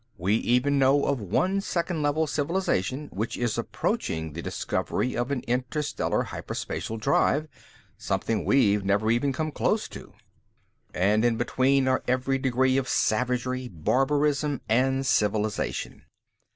We even know of one Second Level civilization which is approaching the discovery of an interstellar hyperspatial drive, something we've never even come close to. And in between are every degree of savagery, barbarism and civilization.